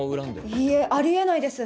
いいえあり得ないです！